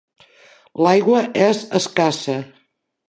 L'aigua és escassa.